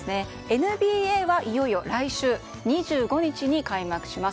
ＮＢＡはいよいよ来週２５日に開幕します。